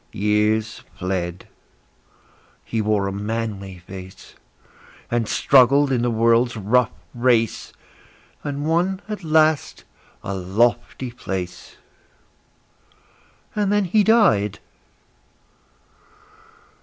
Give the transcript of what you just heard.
Years fled; he wore a manly face, And struggled in the world's rough race, And won at last a lofty place. And then he died!